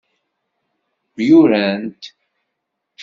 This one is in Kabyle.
Myurant.